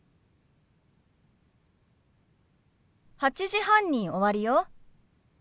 ８時半に終わるよ。